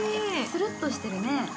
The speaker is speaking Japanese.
つるっとしてるね。